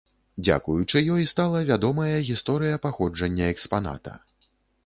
Дзякуючы ёй, стала вядомая гісторыя паходжання экспаната.